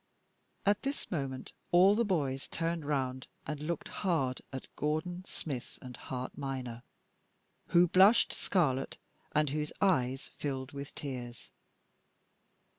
..." At this moment all the boys turned round and looked hard at Gordon, Smith, and Hart minor, who blushed scarlet, and whose eyes filled with tears.